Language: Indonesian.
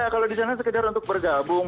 kalau di sana sekedar untuk bergabung